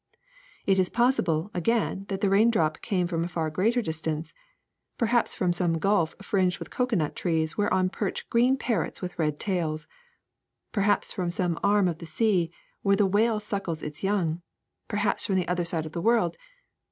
^^It is possible, again, that the raindrop came from a far greater distance, perhaps from some gulf fringed with cocoanut trees whereon perch green parrots with red tails; perhaps from some arm of the sea where the whale suckles its young; perhaps from the other end of the world.